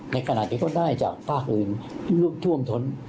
ในขณะดีกว่าด้ายทหารภากอื่นยุ่งท่วงทศ